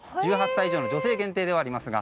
１８歳以上の女性限定ではありますが。